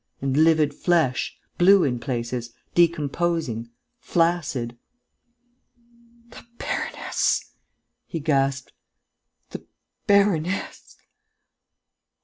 and livid flesh, blue in places, decomposing, flaccid. "The baroness!" he gasped. "The baroness!...